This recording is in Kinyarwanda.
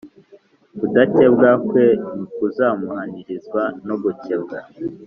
kudakebwa kwe ntikuzamuhanirizwa no gukebwa?